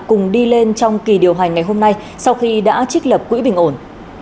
cùng đi lên trong kỳ điều hành ngày hôm nay sau khi đã trích lập quỹ bình ổn